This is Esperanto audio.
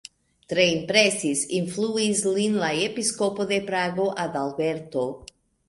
Tre impresis, influis lin la episkopo de Prago, Adalberto.